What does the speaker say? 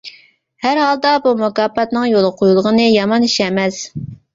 ھەر ھالدا بۇ مۇكاپاتنىڭ يولغا قويۇلغىنى يامان ئىش ئەمەس.